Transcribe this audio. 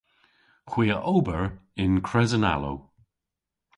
Hwi a ober yn kresen-alow.